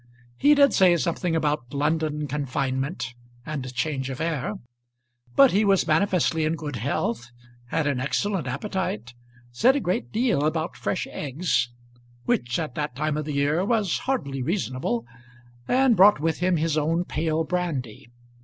He did say something about London confinement and change of air; but he was manifestly in good health, had an excellent appetite, said a great deal about fresh eggs, which at that time of the year was hardly reasonable, and brought with him his own pale brandy.